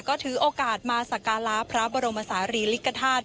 ก็ถือโอกาสมาสักการะพระบรมศาลีลิกฐาตุ